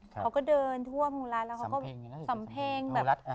เขาก็เดินทั่วโรงร้านแล้วก็สำเพง